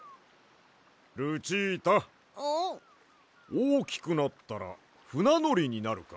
おおきくなったらふなのりになるか？